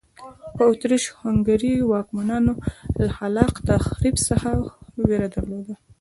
په اتریش هنګري واکمنانو له خلاق تخریب څخه وېره درلوده.